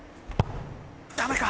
ダメか！